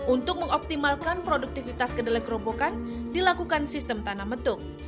untuk mengoptimalkan produktivitas kedelai gerobokan dilakukan sistem tanam betuk